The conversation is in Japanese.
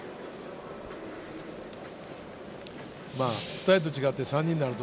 ２人と違って３人になると、